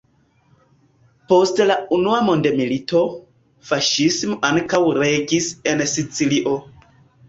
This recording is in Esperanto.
Post la Unua mondmilito, faŝismo ankaŭ regis en Sicilio.